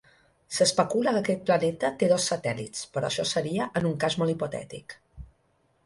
S'especula que aquest planeta, té dos satèl·lits, però això seria en un cas molt hipotètic.